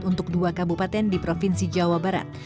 untuk dua kabupaten di provinsi jawa barat